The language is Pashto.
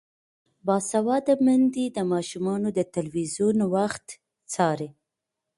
باسواده میندې د ماشومانو د تلویزیون وخت څاري.